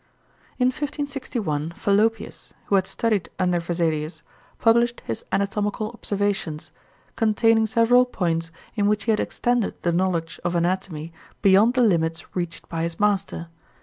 In 1561 Fallopius, who had studied under Vesalius, published his "Anatomical Observations," containing several points in which he had extended the knowledge of anatomy beyond the limits reached by his master.